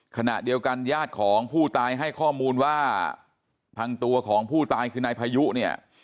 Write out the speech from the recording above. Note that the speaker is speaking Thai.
ขณะเดียวกันญาติของผู้ตายให้ข้อมูลว่าทางตัวของผู้ตายคือนายพายุเนี่ย